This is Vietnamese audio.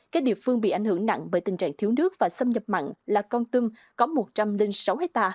các địa phương bị ảnh hưởng nặng bởi tình trạng thiếu nước và xâm nhập mặn là con tum có một trăm linh sáu ha